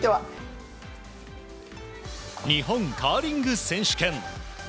日本カーリング選手権。